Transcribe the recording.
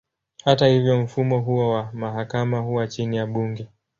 Hata hivyo, mfumo huo wa mahakama huwa chini ya bunge.